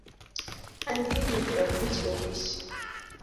An gi higni piero abiriyo gabich.